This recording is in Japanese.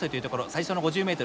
最初の５０ｍ